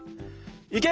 いけ！